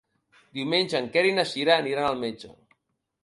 Diumenge en Quer i na Cira aniran al metge.